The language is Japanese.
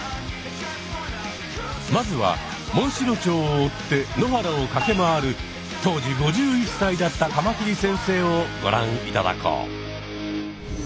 まずはモンシロチョウを追って野原をかけまわる当時５１歳だったカマキリ先生をご覧いただこう。